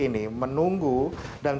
ini menunggu dan